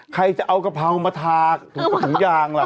ใครจะเอากะเพรามาทาถุงยางล่ะ